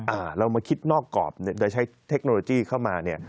อ่าเรามาคิดนอกกรอบเนี่ยโดยใช้เทคโนโลยีเข้ามาเนี่ย